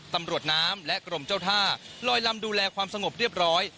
ตำรวจน้ำและกรมเจ้าท่าลอยลำดูแลความสงบเรียบร้อย